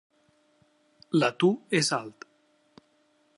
L'atur és alt.